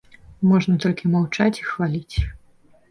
Можна толькі маўчаць і хваліць.